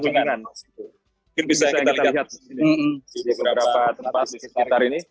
mungkin bisa kita lihat di beberapa tempat di sekitar ini